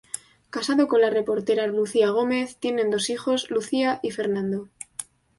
Casado con la reportera Lucía Gómez, tienen dos hijos, Lucía y Fernando.